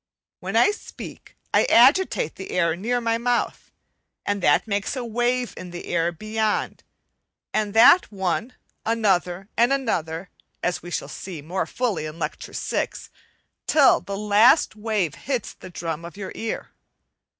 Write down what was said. When I speak I agitate the air near my mouth, and that makes a wave in the air beyond, and that one, another, and another (as we shall see more fully in Lecture VI) till the last wave hits the drum of your ear.